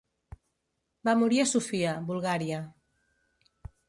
Va morir a Sofia, Bulgària.